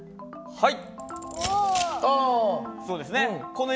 はい。